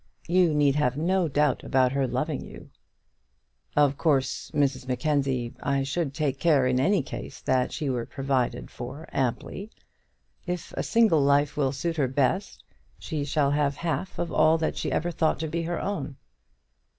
You need have no doubt about her loving you." "Of course, Mrs Mackenzie, I should take care in any case that she were provided for amply. If a single life will suit her best, she shall have half of all that she ever thought to be her own."